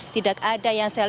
tidak ada yang saya lihat